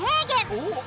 おっ！